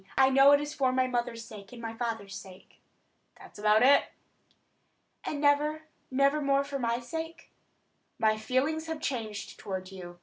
I know it is for my mother's sake and my father's sake." "That's about it." "And never, never more for my sake?" "My feelings have changed toward you.